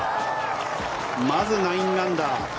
まず９アンダー。